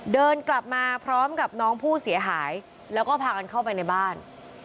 เดินกลับมาพร้อมกับน้องผู้เสียหายแล้วก็พากันเข้าไปในบ้าน